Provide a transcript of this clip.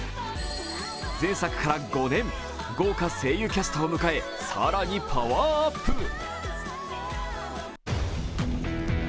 前作から５年、豪華声優キャストを迎えさらにパワーアップ。